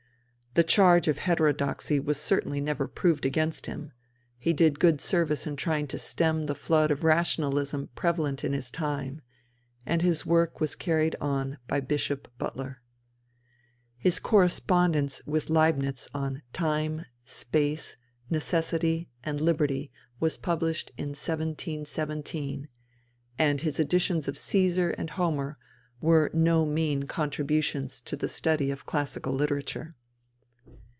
The charge of heterodoxy was certainly never proved against him; he did good service in trying to stem the flood of rationalism prevalent in his time, and his work was carried on by Bishop Butler. His correspondence with Leibnitz on Time, Space, Necessity, and Liberty was published in 1717, and his editions of Caesar and Homer were no mean contributions to the study of classical literature.